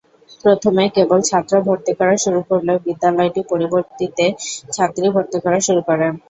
প্রথমে কেবল ছাত্র ভর্তি করা শুরু করলেও বিদ্যালয়টি পরবর্তিতে ছাত্রী ভর্তি করা শুরু করে।